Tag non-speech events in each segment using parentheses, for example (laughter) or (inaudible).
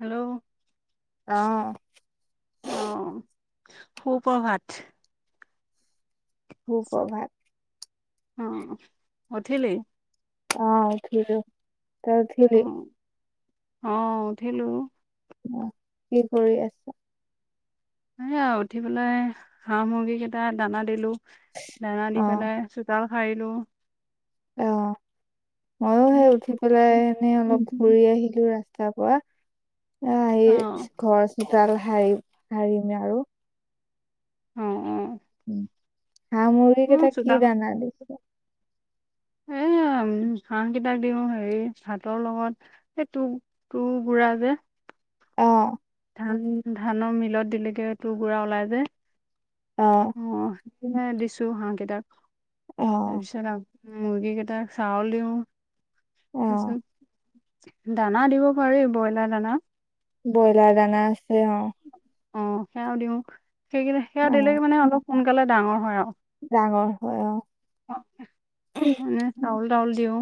Hello অ' অ সু প্ৰভাত। সুপ্ৰভাত। অ' উঠিলি। অ' উঠিলো তই অ উঠিলি। অ' উঠিলো। আহ কি কৰি আছা সে আও উঠি পেলাই হাঁহ মুৰ্গী কেইটা দানা দিলো। দানা অ দি পেলাই, চোতল হাৰিলোঁ। অ। মইও উম সেই উঠি পেলাই এনেই অলপ ফুৰি আহিলো ৰা স্তা পৰা। এ আহি অ অ ঘৰ চোতাল হাৰি হাৰিমে আৰু। অ অ। হাঁহ মুৰ্গী মোৰ কেইটা কি দানা দিছ? উম, (unintelligible) হাঁহ কেইটাক দিওঁ হেৰি ভাতৰ লগত সেই তটো তু গুৰা যে অ' ধান ধানৰ মিলত দিলেকে তোৰ গুড়া ওলাই যে অ' নে দিছো হাঁহ কেইটাক অ তাৰপিছত আৰু মুৰ্গী কেইটাক চাউল দিওঁ। অ তাৰ পিছত, দানা দিব পাৰি, ব্ৰইলাৰ দানা। ব্ৰইলাৰ দানা আছে অ। অ সেয়াও দিওঁ। সেই কেনে সেয়া অ দিলে মানে অলপ সোনকালে ডাঙৰ হয় আৰু। ডাঙৰ হয় অ। মানে চাউল টাউল দিওঁ।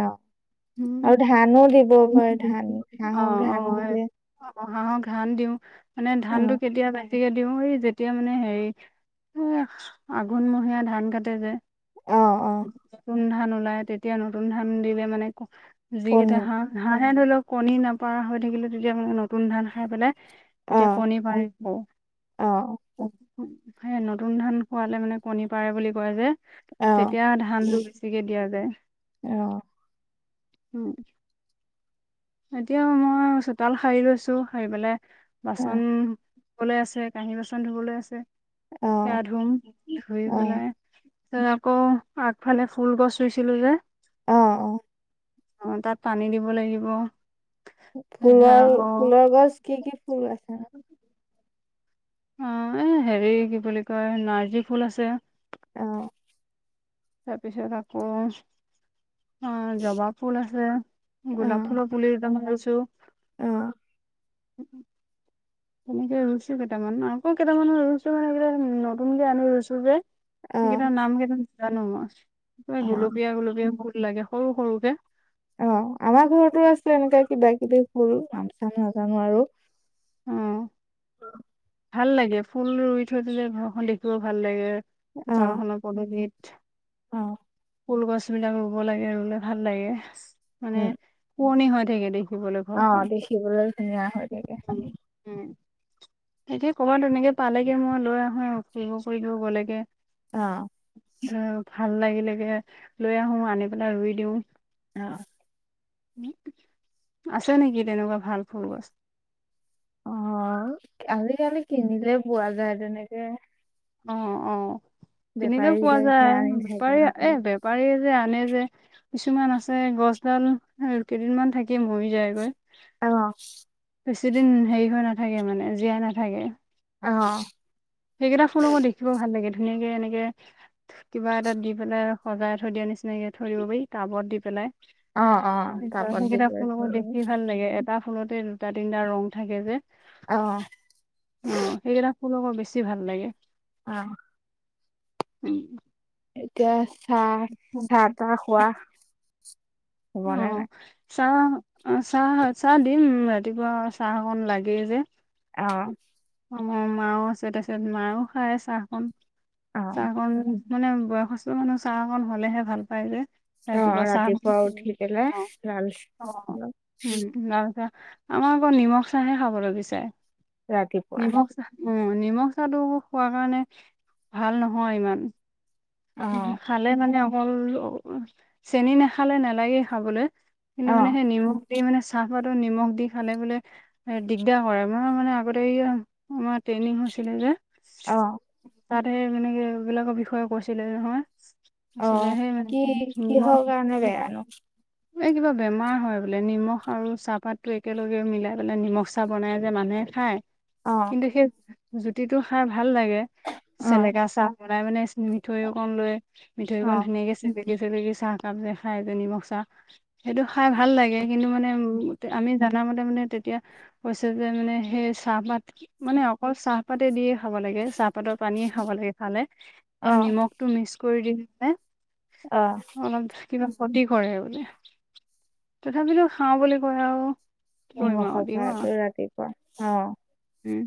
অ' উম। আৰু ধানো দিব পাৰে, ধান অ হাঁহক অ ধান এ দিলে অ হাঁহক ধান দিও মানে অ ধানটো কেতিয়া পায়। গতিকে দিওঁৰি যেতিয়া মানে হেৰি আঘোণমহীয়া ধান কাটে যে। অ অ নতুন ধান ওলাই তেতিয়া নতুন ধান দিলে মানে। যিকেইটা কণীত হাঁহ, হাঁহে ধৰি লওক কণী নাপাৰা হৈ থাকিলে তেতিয়া আ নতুন ধান খাই পেলাই। অ যে কণী ভাজিব। অ সে নতুন ধান খোৱালে মানে কণী পাৰে বুলি কয় যে। অ তেতিয়া ধানটো বেছিকে দিয়া যায় অ', উ। এতিয়া মই চোতাল সাৰি লৈছো সাৰি পাই অ', বাচন। ধুবলৈ আছে। কাঁহী, বাচন ধুবলৈ আছে। অ', সেয়া ধুম ধুই অ', পেলাই যে আকৌ আগফালে ফুল গছ ৰুইছিলো যে। অ', অ' তাত পানী দিব লাগিব। সেয়া ফুলৰ, আকৌ ফুলৰ গছ কি কি ফুল আছে। অ' এ হেৰি কি বুলি কয় নাৰ্জী ফুল আছে। অহ। তাৰপিছত আকৌ। অ' জবা ফুল আছে। গোলাপ অ', ফুলৰ পুলি মই লৈছো। অ', (inaudible) তেনেকে ৰুইছো কেইটামান আকৌ কেইটামানত ৰুইছো মানে এই নতুনকে আনি ৰুইছো যে। অ', সেইকেইটাৰ নাম কেইটা জানো মই অ', গুলপীয়া গুলপীয়া সেই লাগে সৰু সৰুকে অ' আমাৰ ঘৰতো আছে এনেকে কিবা কিবি ভুল নাম চাম নাজানো আৰু। অহ। ভাল লাগে ফুল ৰুই থৈ দিলে ঘৰখন দেখিব ভাল লাগে অ', চোতালখনৰ পদূলিত। অ'। ফুলগছ বিলাক ৰুব লাগে, ৰুলে ভাল লাগে। মানে উম, শুৱনি হয় থাকে দেই। দিবলৈ অ', ঘৰখন। দেখিবলৈ ধুনীয়া হৈ থাকে উম, এতিয়া ক'বাত এনেকে পালেগে মই লৈ আহো ফুৰিব কৰিব গ'লেগে। আহ। আহ, ভাল লাগিলেগে লৈ আহো আনি পেলাই ৰুই দিও। অ'। আছে নেকি, তেনেকুৱা ভাল ফুল গছ? অ' আজিকালি কিনিলে পোৱা যায় তেনেকে। অ' অ' বেপাৰী কিনিলেও পোৱা বিলাকে যায়, আনি থাকে বেপাৰী এ নহয়। বেপাৰীয়ে যে আনে যে। কিছুমান আছে গছডাল কেইদিনমান থাকি মৰি যায়গৈ। অ'। বেছিদিন হেৰি হৈ নাথাকে, মানে জীয়াই নাথাকে। আহ। (unintelligible) দেখিবও ভাল লাগে। ধুনীয়াকে এনেকে কিবা এটাত দি পেলাই সজাই থৈ দিয়া নিচিনাকে থৈ দিব পাৰি টাবত দি পেলাই। অ', অ', টাবত দি সেইকেইটা পেলাই থৈ ফুলবোৰ দেখি ভাল লাগে। এট টা ফুলতে দুটা-তিনটা ৰং থাকে যে। আহ। অ', (unintelligible) বেছি ভাল লাগে। অ'। উম। এতিয়া চাহ - চাহ তাহ খোৱা হবনে অ', নাই? চাহ অ' চাহ - চাহ দিম ৰাতিপুৱা চাহ অকণ লাগেই যে। অঁ। অ' মাও আছে তাতে মাও খায় চাহখন- অ', চাহকন - - মানে বয়সস্থ মানুহ চাহ অকন হলেহে ভাল পায় যে। ৰাতি অ', বচা ৰাতিপুৱা উঠি পেলাই অ লাল অ উম আৰুত (inaudible) আমাৰ আকৌ নিমখ চাহে খাবলৈ বিচাৰে। ৰাতিপুৱা নিমখ চাহ, উম নিমখ চাহটোৰ খোৱা কাৰণে ভাল নহয় ইমান। অ', খালে মানে অকল, চেনী নাখালে নালাগে খাবলৈ। কিন্তু মানে অ', সেই নিম দি মানে চাহপাতো নিমখ দি খালে বোলে এ দিগদাৰ কৰে মই মানে আগতে আমাৰ ট্ৰেইনিং হৈছিলে যে, অ', ততে সেই মনে কি এইবিলাকৰ বিষয়ে কৈছিলে যে নহয়। আছিলিল অ', আহে কি মান কিহৰ কাৰণে বেয়ানো? (inaudible) এই কিবা বেমাৰ হয় বোলে নিমখ আৰু চাহপাতো একেলগে মিলাই পেলাই নিমখ চাহ বনাই যে মানুহে খায়। অ', কিন্তু সেই জুতিটো খাই ভাল লাগে, অ', চেলেকা চাহ বনাই মানে মিঠৈ অকন লৈ, মিঠৈ অকন অ', ধুনীয়াকে চ চাহ কাপ যে খাই যে নিমখ চাহ, সেইটো খাই ভাল লাগে কিন্তু মানে আমি জনা মতে মানে তেতিয়া কৈছে যে মানে সেই চাহপাত মানে অকল চাহপাত দিয়ে খাব লাগে চাহপাতৰ পানীয়ে খাব লাগে খালে কিন্তু নিমখটো মিক্স কৰি দি আহ। অলপ কিবা ক্ষতি কৰে বোলে, তথাপিতো খাওঁ বুলি কয় আৰু। কি কৰিম আৰু নিমখৰ দিওঁ খাই আৰু তো ৰাতিপুৱা অ' উম,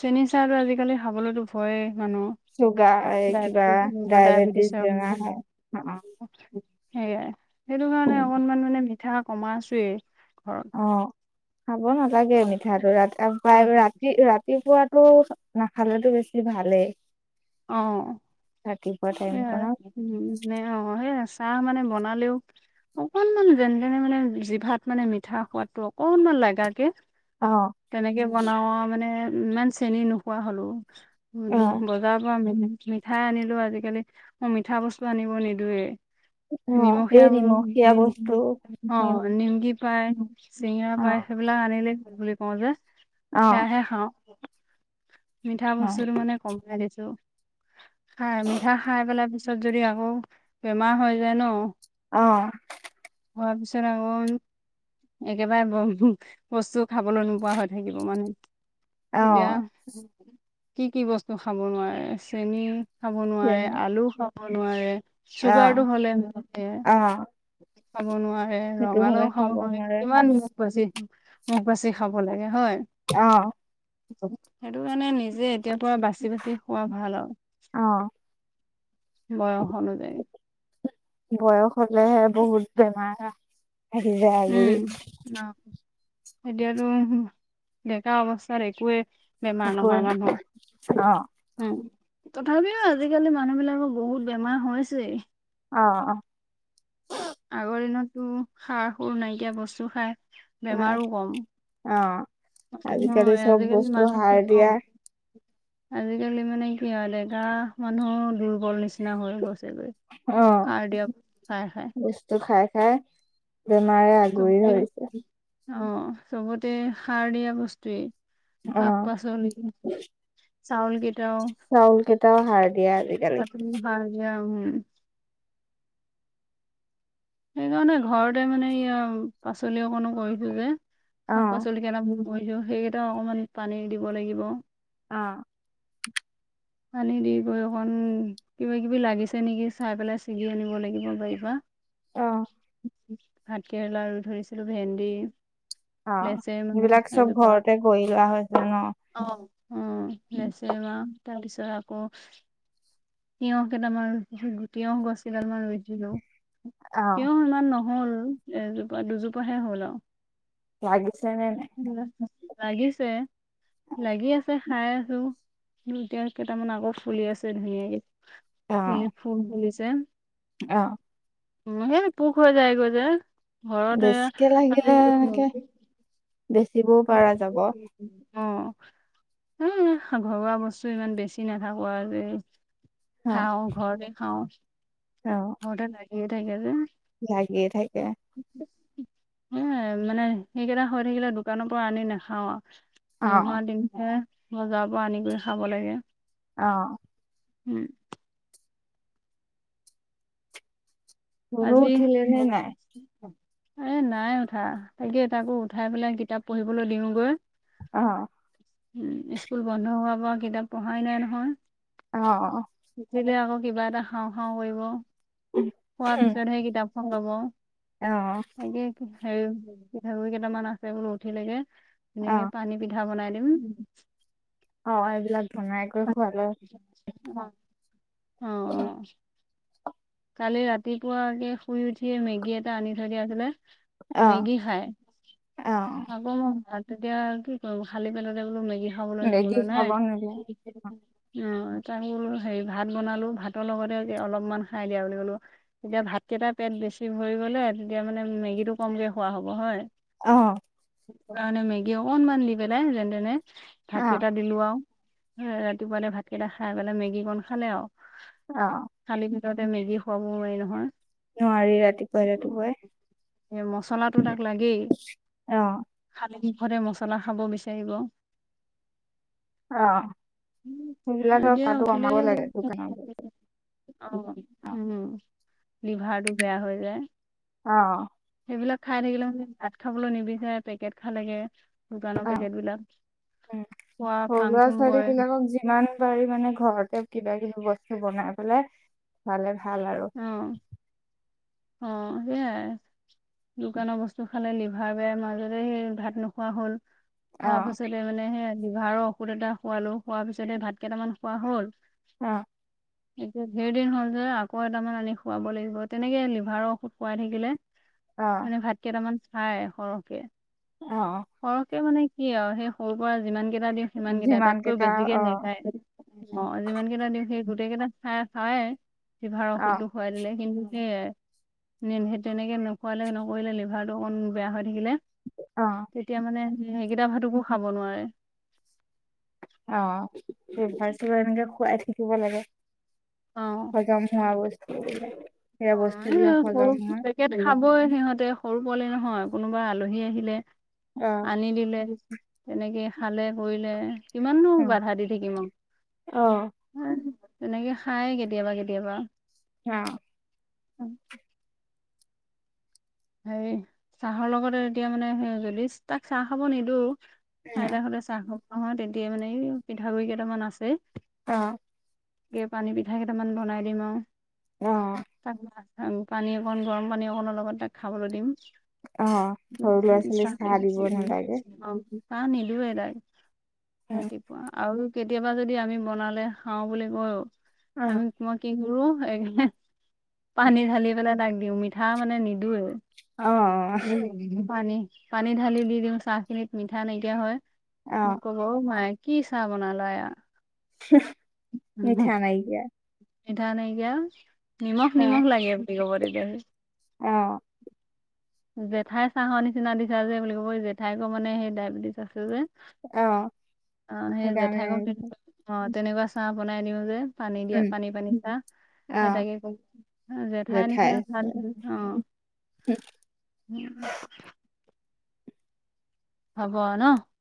চেনী চাহটো আজিকালি খাবলৈতো ভয়ে। মানো চুগাৰ এই কিবা ডাইবেটিছ ডাইবেটিছ ডায়েবেটিছ বেমাৰ হয় অ', (unintelligible) সেয়াই, সেইটো কাৰণে অকনমান মানে মিঠা কমাইছোৱেই। ঘৰত অ খাব নালাগে মিঠাটো ৰাতি প্ৰায় ৰাতি ৰাতিপুৱাত টো নাখালেতো বেছি ভালেই অ ৰাতিপুৱা সেয়াই, টাইমকনত উম নে সেই আছে চাহ মানে বনালেও অকনমান যেনে- তেনে মানে জিভাত মানে মিঠা সোৱাদটো অকনমান লাগাকে অ', তেনেকে বনাও আৰু মানে, ইমান চেনি নোখোৱা হলো অ', (unintelligible) বজাৰৰ পৰা মিঠাই আনিলেও আজিকালি, মই মিঠা বস্তু আনিব নিদিওয়ে। অ এই নিমখীয়া বোলো, নিমখীয়া নিমকি বস্তু অ উম, নিমকি পাই, চিঙৰা পাই সেইবিলাক আনিলে বুলি কওঁ যে সেয়াহে খাওঁ। মিঠা বস্তুটো মানে কমাই দিছে। খাই মিঠা খাই পেলাই পিছত যদি আকৌ বেমাৰ হৈ যায় ন অ। হোৱাৰ পিছত আকৌ একেবাৰে ব বস্তু খাবলৈ নোপোৱা হৈ থাকিব মানে। এতিয়া অ', কি কি বস্তু খাব নোৱাৰে, চেনি খাব নোৱাৰে, তেনে আলু খাব নোৱাৰে, চুগাৰটো হ'লে ন খাব নোৱাৰে, ৰঙালাও খাব নোৱাৰে, কিমান মুখ বাচি মুখ বাচি খাব লাগে হয়? অহ। সেইটো কাৰণে নিজে এতিয়াৰ পৰা বাচি বাচি খোৱা ভাল অ', আৰু বয়স অনুযায়ী। বয়স হলেহে বহুত বেমাৰ আহি যাই আগুৰি। উম, এতিয়াতো ডেকা অৱস্থাত একোৱে বেমাৰ একোৱে নহয় মানুহ, অ', উম। তথাপিও আজিকালি মানুহবিলাকৰ বহুত বেমাৰ হৈছেই। অ অ। আগৰ দিনতটো সাৰ সুৰ নাইকিয়া বস্তু খাই হয়। বেমাৰো কম। অ', আজিকালি মানুহৰ চব আজিকালি বস্তু মানুহ সাৰ দিয়া। অ', আজিকালি মানে কি হয় ডেকা মানুহ দুৰ্বল নিচিনা হৈ গৈছ ছে গৈ অ', সাৰ দিয়া হয় হয়। হে? বেমাৰে আগুৰি চবতে ধৰিছে। অ চবতে সাৰ দিয়া বস্তুৱেই, অ', শাক-পাচলি চাউলগিৰ চাউল কেইটাও সাৰ দিয়া আজিকালি। তাতো সাৰ (unintelligible) সেইকাৰণে ঘৰতে মানে এইয়াও পাচলি অকণো কৰিছো যে অ', শাক-পাচলি কেইটা (unintelligible) কৈছ সেইগেইটাও অকমান পানী দিব লাগিব। আ। (inaudible) পানী দি গৈ অকণ কিবা কিবি লাগিছে নেকি চাই পেলাই ছিগি আনিব লাগিব বাৰীপা। অ। ভাত কেৰেলা ৰুই ধৈছিলো ভেন্দি অ লেচেৰা মাহ সেইবিলাক চব এজোপা ঘৰতে কৰি লোৱা হৈ হৈছে ন। অ' অ' লেচেৰা তাৰপিছত আকৌ তিয়হ কেইটামান ৰুই, তিয়হ গছ কেইডাল মান ৰুইছিলোঁ। অ তিয়হ ইমান নহল এজোপা-দুজোপাহে হল আও। লাগি লাগিছে। লাগি আছে, খাই আছো। এতিয়া কেইটামান আকৌ ফুলি আছে ধুনীয়াকে। ফুলি-ফুল ফুলিছে। আহ। উ, সেই পোক হৈ যায়গৈ যে, ঘৰতে বেছিকে লাগিলে আজি এনেকে বেচিবও পাৰা যাব। অ' এ ঘৰুৱা বস্তু ইমান বেছি নাথাকো আৰু। খাওঁ ঘৰতে খাওঁ অ ঘৰতে লাগিয়ে থাকে যে। লাগিয়ে থাকে। এ মানে, সেইকেইটা হৈ থাকিলে দোকানৰ পৰা আনি নাখাও আও। অ নোহোৱা দিনহে বজাৰৰ পৰা আনি কৰি খাব লাগে। আহ। উম। ধুনু আজি উঠিলে নে নাই (unintelligible) এ নাই উঠা, তাকে তাকো উঠাই পেলাই কিতাপ পঢ়িবলৈ দিওঁগৈ। অ। উম স্কুল বন্ধ হোৱাৰ পৰা কিতাপ পঢ়াই নাই নহয়। অ। সেইদিনা আক কিবা এটা খাওঁ খাওঁ কৰিব উম। খোৱাৰ পিছতহে কিতাপখন লব অ তাকে কি হেৰি পিঠাগুড়ি কেইটামান আছে বোলো উঠিলেকে অ হেনেকে পানী পিঠা বনাই দিম। অ' এইবিলাক বনাই কৰি খোৱালে অ' অ'। কালি ৰাতিপুৱাকে শুই উঠিয়ে, মেগী এটা আনি থৈ দিয়া আছিলে। অ মেগী খাই অ আকৌ মই ভাত তেতিয়া কি কম খালি পেটতে বোলো মেগি খাবলৈ মেগী দিবলৈ নাই। খাব নিদিয়ে অ। তাঙল হেৰি ভাত বনালোঁ ভাতৰ লগতে অলপমান খাই দিয়া বুলি ক'লো তেতিয়া ভাতকেইটা পেট বেছি ভৰি গ'লে তেতিয়া মানে মেগীটো কমকে খোৱা হ'ব হয়। অহ। সে কাৰণে মেগী অকনমান দি পেলাই যেন তেনে ভাত অ কেইটা দিলো আও। ৰাতিপুৱাতে ভাতকেইটা খাই পেলাই মেগী কন খালে আও। অহ। তিহতে মেগি খুৱাব নোৱাৰি নহয়। নোৱাৰি ৰাতিপুৱাই ৰাতিপুৱাই এ মচলাটো তাক লাগেই। অহ। হতে মছলা খাব বিচাৰিব। অ সেইবিলাক এতিয়া খোৱাটো কমাব উঠিলেগে। লাগে দোকানত গৈ। অ অ উম লিভাৰটো বেয়া হৈ যায়। অহ। সেইবিলাক খাই থাকিলে মানে ভাত খাবলৈ নিবিচাৰে পেকেট খাল লোগে দোকানৰ পেকেট বিলাক। উ খোৱা সৰু ফাং লৰা ফুং ছোৱালী কৰে বিলাকক যিমান পাৰি মানে ঘৰতে কিবা কিবি বস্তু বনাই পেলাই খালে ভাল আৰু অ অ সেইয়ায়। দোকানৰ বস্তু খালে লিভাৰ বেয় মাজতে ভাত নোখোৱা হ'ল। অ হোৱা পাছত এ মানে সেই লিভাৰৰ ঔষধ এটা খোৱালো হোৱাৰ পিছতহে ভাত কেইটামান খোৱা হ'ল অ। এতিয়া ধেৰ দিন হ'ল যে আকৌ এটামান আনি খুৱাব লাগিব তেনেকে লিভাৰৰ ঔষধ খোৱাই থাকিলে অ মানে ভাত কেইটামান খাই সৰহকে অ সৰহকে মানে কি আৰু সেই সৰুৰ পৰা যিমান যিমান কেইটা দিওঁ সিমান কেইটা যিমান তাতকৈ বেছিকে অ নেখায় অ যিমান কেইটা দিওঁ সেই গোটেই কেইটা খাই খাই লিভাৰৰ অ ঔষধটো খুৱাই দিলে কিন্তু সেয়াই সেই তেনেকে নোখোৱালে নকৰিলে লিভাৰটো অকণ বেয়া হৈ থাকিলে অ তেতিয়া মানে সেইকেইটা ভাটকো খাব নোৱাৰে। অ স ফাষ্টতে এনেকে খুৱাই থাকিব লাগে। অ সজম হোৱা বস্তু। অ এ সৰু পেকেট খাবই সিহতে সৰু পোৱালি নহ। হয় কোনোবা আলহী আহিলে অ আনি দিলে তেনেকে খালে কৰিলে কিমান অ বাধা দি থাকি মই অ তেনেকে খায়াই কেতিয়াবা কেতিয়াবা। অ' উম, হে চাহৰ লগতে এতিয়া মানে সে যদি তাক চাহ খাব নিদিওঁ। আইত হতে চাহ খাওঁব হয় তেতিয়া মানে পিঠাগুৰি কেইটামান আছে অ' পানী পিঠা কেইটামান বনাই দিম অ আৰু তাক পানী অকণ গৰম পানী অকণনৰ লগত তাক খাবলৈ দিম। অ সৰু ল'ৰা ছোৱালী চাহ দিব নালাগে। অ', নিদোয়ে ডাইৰেক্ট, ৰাতিপুৱা আৰু কেতিয়াবা যদি আমি বনালে খাওঁ বুলি কৈয়ো, অ আমি, মই কি (unintelligible) পানী ঢালি পেলাই তাক দিওঁ, মিঠা মানে নিদোয়েই। (unintelligible) অ পানী, পানী ঢালি দি দিওঁ, চাহখিনিত মিঠা নাইকিয়া হয়। অ মুক ক'ব অ' মাই ইয়াৰ কি চাহ বনালা এয়া মিঠা নাই কিয়া। মিঠা নাইকিয়া নিমখ অ নিমখ লাগে বুলি ক'ব তেতিয়াহ। অ' জেঠাইৰ চাহৰ নিচিনা দিছা যে বুলি ক'ব এই জেঠাইকো মানে সেই ডায়বেটিছ আছে যে অ অ' সেই সেইকাৰণে জেঠাইকক অ' তেনেকুৱা চাহ বনাই দিও যে। পানী দিয়া উম পানী পানী দিয়া অ সেই তাকে কম জেঠাইৰ জেঠাই নিচিনা চাহ আছে দিচ অ' (unintelligible) উম, হ'ব আ ন।